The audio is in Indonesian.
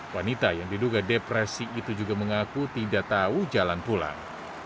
wanita yang diduga depresi itu juga mengaku tidak tahu jalan pulang